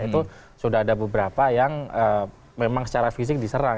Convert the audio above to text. itu sudah ada beberapa yang memang secara fisik diserang